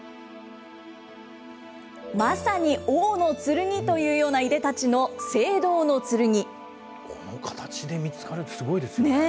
まさに王の剣というようないでたこの形で見つかるってすごいねぇ。